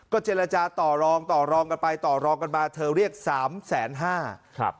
เจรจาต่อรองต่อรองกันไปต่อรองกันมาเธอเรียกสามแสนห้าครับ